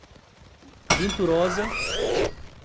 Venturosa